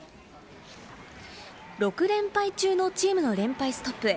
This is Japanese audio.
６連敗中のチームの連敗ストップへ。